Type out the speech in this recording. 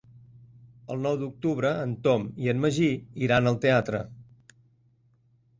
El nou d'octubre en Tom i en Magí iran al teatre.